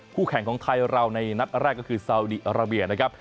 แข่งของไทยเราในนัดแรกก็คือซาวดีอาราเบียนะครับ